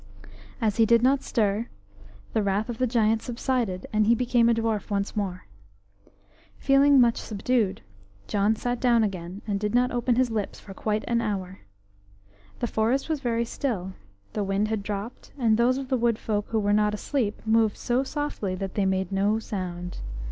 As he did not stir, the wrath of the giant subsided, and he became a dwarf once more. Feeling very much subdued, John sat down again and did not open his lips for quite an hour. HE forest was very still. The wind had dropped, and those of the wood folk who were not asleep moved so softly that they made no sound.